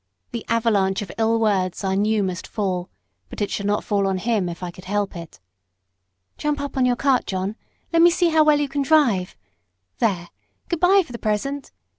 The avalanche of ill words I knew must fall but it should not fall on him, if I could help it. "Jump up on your cart, John. Let me see how well you can drive. There good bye, for the present.